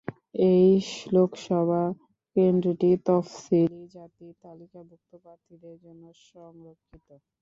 এই লোকসভা কেন্দ্রটি তফসিলি জাতি-তালিকাভুক্ত প্রার্থীদের জন্য সংরক্ষিত।